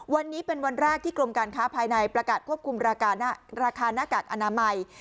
วันนี้เป็นวันแรกที่กรมการค้าภายในประกาศควบคุมราคาหน้ากากอนามัย